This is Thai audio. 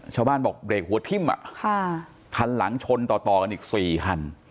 ชาวบ้านบอกเบรกหัวทิ้มคันหลังชนต่อกันอีก๔คัน